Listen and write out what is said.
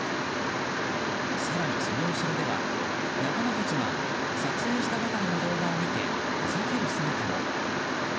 更に、その後ろでは仲間たちが撮影したばかりの動画を見てふざける姿も。